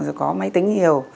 rồi có máy tính hiểu